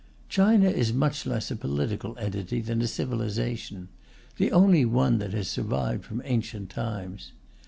China is much less a political entity than a civilization the only one that has survived from ancient times.